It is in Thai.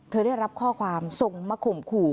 ได้รับข้อความส่งมาข่มขู่